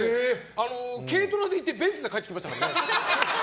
軽トラで行ってベンツで帰ってきましたからね。